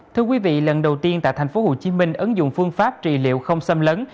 thưa quý vị lần đầu tiên tại tp hcm ấn dụng phương pháp trị liệu không xâm lấn